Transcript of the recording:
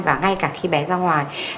và ngay cả khi bé ra ngoài